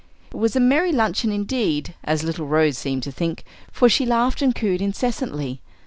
It was a merry luncheon indeed, as little Rose seemed to think, for she laughed and cooed incessantly.